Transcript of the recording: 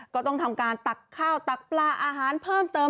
ก็ต้องทำการตักข้าวตักปลาอาหารเพิ่มเติม